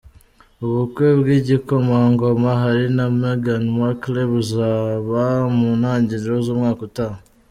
Ubukwe bw’igikomangoma Harry na Meghan Markle, buzaba mu ntangiriro z’umwaka utaha.